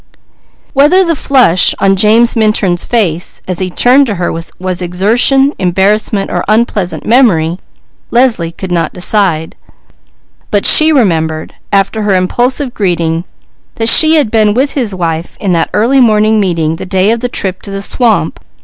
Whether the flush on James Minturn's face as he turned to her was exertion, embarrassment, or unpleasant memory Leslie could not decide; but she remembered, after her impulsive greeting, that she had been with his wife in that early morning meeting the day of the trip to the swamp.